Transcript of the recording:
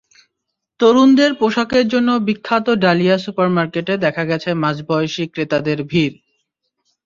তরুণদের পোশাকের জন্য বিখ্যাত ডালিয়া সুপার মার্কেটে দেখা গেছে মাঝবয়সী ক্রেতাদের ভিড়।